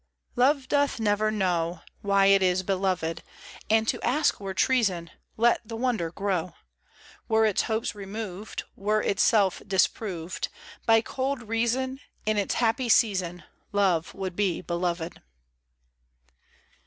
LOVE doth never know Why it is beloved. And to ask were treason : Let the wonder grow 1 Were its hopes removed. Were itself disproved By cold reason. In its happy season Love would be beloved.